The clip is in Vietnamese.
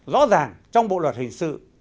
rõ ràng trong bộ luật hình sự